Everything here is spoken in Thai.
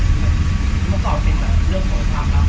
จะได้มีอะไรสำคัญขนาดไหน